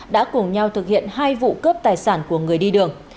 đã cùng nhau thực hiện hai vụ cướp tài sản của người đi đường